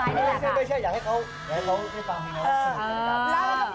ไม่ใช่อยากให้เขาฟังเพลงเราสุด